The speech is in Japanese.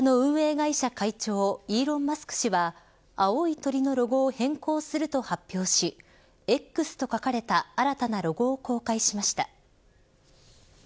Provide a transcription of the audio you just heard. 会社会長イーロン・マスク氏は青い鳥のロゴを変更すると発表しＸと書かれた新たなロゴを公開しました。